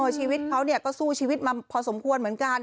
ชีวิตเขาก็สู้ชีวิตมาพอสมควรเหมือนกัน